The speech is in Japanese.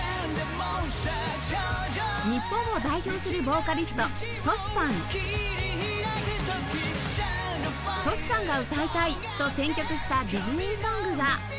日本を代表するボーカリストＴｏｓｈｌ さんが歌いたいと選曲したディズニーソングが